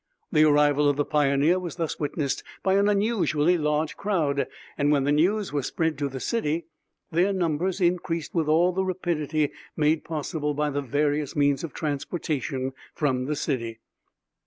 The arrival of the Pioneer was thus witnessed by an unusually large crowd, and, when the news was spread to the city, their numbers increased with all the rapidity made possible by the various means of transportation from the city.